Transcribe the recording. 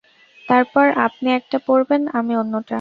তারপর আপনি একটা পড়বেন আমি অন্যটা।